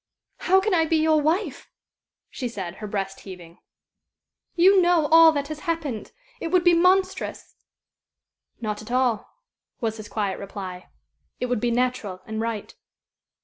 "How can I be your wife?" she said, her breast heaving. "You know all that has happened. It would be monstrous." "Not at all," was his quiet reply. "It would be natural and right.